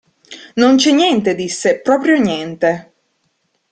Non c'è niente, disse, proprio niente.